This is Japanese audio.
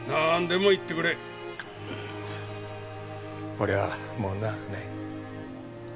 俺はもう長くない。